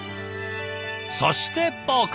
そしてポーク。